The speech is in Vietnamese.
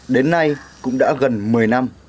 đến nay cũng đã gần một mươi năm